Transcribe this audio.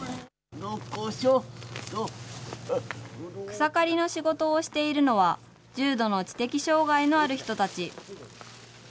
草刈りの仕事をしているのは、重度の知的障害のある人たち。